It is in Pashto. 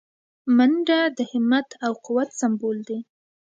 منډه د همت او قوت سمبول دی